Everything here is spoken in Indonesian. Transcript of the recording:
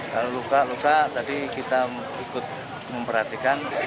kalau luka luka tadi kita ikut memperhatikan